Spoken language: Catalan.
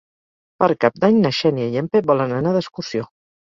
Per Cap d'Any na Xènia i en Pep volen anar d'excursió.